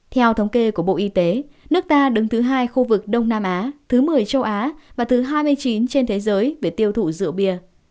theo thống kê của bộ y tế nước ta đứng thứ hai khu vực đông nam á thứ một mươi châu á và thứ hai mươi chín trên thế giới về tiêu thụ rượu bia